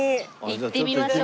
行ってみましょう。